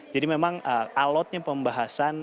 jadi memang alotnya pembahasan